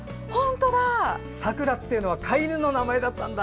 さくらっていうのは飼い犬の名前だったんだ。